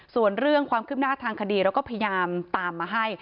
ส่วนเรื่องความคืบหน้าทางคดีเราก็พยายามตามมาให้